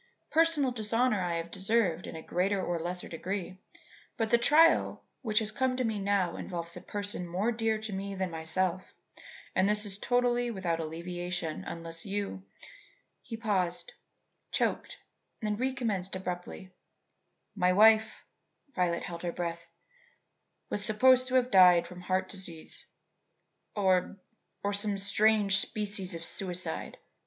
Personal dishonour I have deserved in a greater or less degree, but the trial which has come to me now involves a person more dear to me than myself, and is totally without alleviation unless you " He paused, choked, then recommenced abruptly: "My wife" Violet held her breath "was supposed to have died from heart disease or or some strange species of suicide.